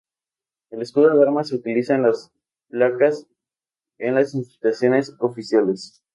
El escudo de armas se utiliza en las placas en la Instituciones oficiales.